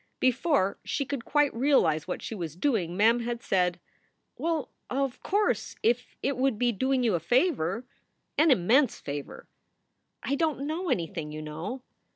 Before she could quite realize what she was doing, Mem had said: "Well, of course, if it would be doing you a favor " "An immense favor." "I don t know anything, you know."